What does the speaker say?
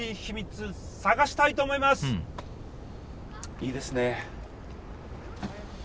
いいですね。